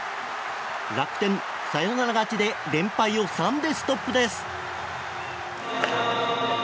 楽天、サヨナラ勝ちで連敗を３でストップです。